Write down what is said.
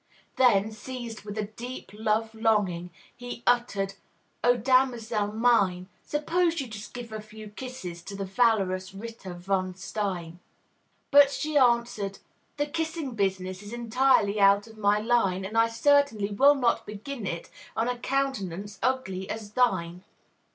Then, seized with a deep love longing, He uttered, "O damosel mine, Suppose you just give a few kisses To the valorous Ritter von Stein!" But she answered, "The kissing business Is entirely out of my line; And I certainly will not begin it On a countenance ugly as thine!"